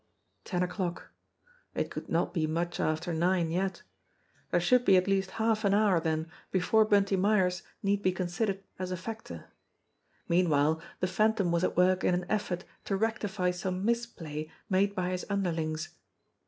Ten o'clock. It could not be much after nine yet. There should be at least half an hour then before Bunty Myers need be considered as a factor. Meanwhile the Phantom was at work in an effort to rectify some misplay made by his underlings.